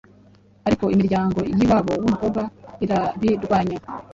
ariko imiryango y’iwabo w’umukobwa irabirwanya.